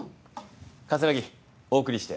葛城お送りして。